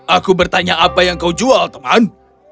aku bertanya apa yang kau jual teman